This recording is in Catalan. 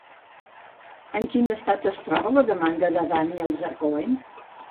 En quin estat es troba la demanda de Daniels a Cohen?